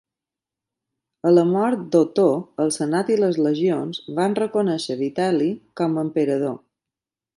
A la mort d'Otó, el Senat i les legions van reconèixer Vitel·li com a emperador.